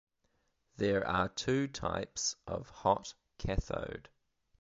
There are two types of hot cathode.